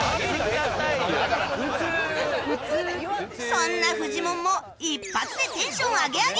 そんなフジモンも一発でテンションアゲアゲ！